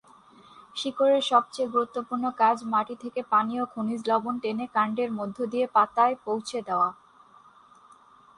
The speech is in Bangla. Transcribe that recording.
শিকড়ের সবচেয়ে গুরুত্বপূর্ণ কাজ মাটি থেকে পানি ও খনিজ লবণ টেনে কাণ্ডের মধ্য দিয়ে পাতায় পৌঁছে দেয়া।